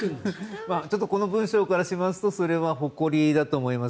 この文章からするとそれはほこりだと思います。